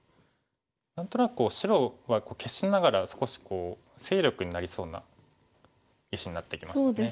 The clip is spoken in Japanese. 何となく白は消しながら少し勢力になりそうな石になってきましたね。